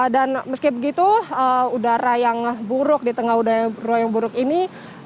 dan meski begitu udara yang buruk di tengah udara yang buruk ini